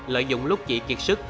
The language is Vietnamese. lợi dụng lúc chị kiệt sức